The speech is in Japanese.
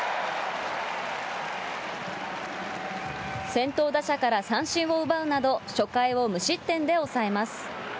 先頭打者から三振を奪うなど、初回を無失点で抑えます。